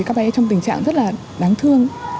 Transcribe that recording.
các bé trong tình trạng rất là đáng thương